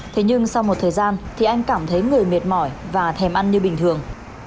thế nhưng sau một thời gian thì anh cảm thấy người mệt mỏi và thèm ăn như bình thường